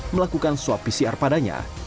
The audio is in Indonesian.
melakukan swab pcr padanya